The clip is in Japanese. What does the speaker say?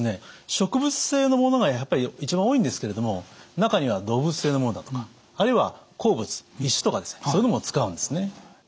植物性のものがやっぱり一番多いんですけれども中には動物性のものだとかあるいは鉱物石とかそういうのも使うんですね。